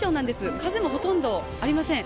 風もほとんどありません。